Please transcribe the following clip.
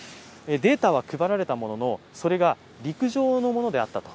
データは配られたものの、それが陸上のものであったと。